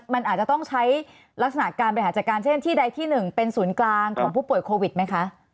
มันอาจจะต้องใช้ลักษณะการบริหารจัดการเช่นที่ใดที่๑เป็นศูนย์กลางของผู้ป่วยโควิดไหมคะ